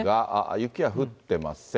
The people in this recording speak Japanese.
雪は降ってません。